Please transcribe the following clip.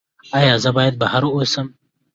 ایا زه باید بهر اوسم؟